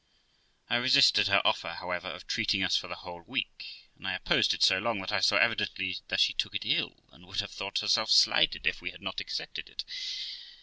I resisted her offer, however, of treating us for the whole week; and I opposed it so long, that I saw evidently that she took it ill, and would have thought herself slighted if we had not accepted it.